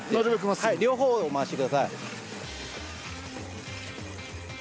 両方を回してください。